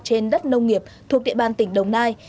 trên đất nông nghiệp thuộc địa bàn tỉnh đồng nai